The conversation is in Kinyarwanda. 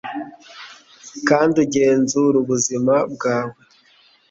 kandi ugenzura ubuzima bwawe